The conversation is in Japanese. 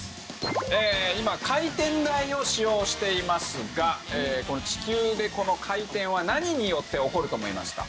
今回転台を使用していますが地球でこの回転は何によって起こると思いますか？